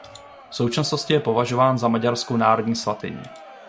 V současnosti je považován za maďarskou národní svatyni.